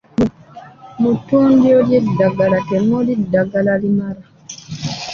Mu ttundiro ly'eddagala temuli ddagala limala.